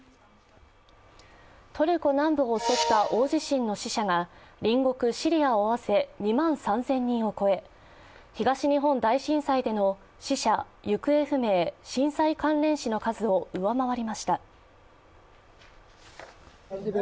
トルコ南部を襲った大地震の死者が隣国シリアを合わせ２万３０００人を超え東日本大震災での死者、行方不明、震災関連死の数を上回りました。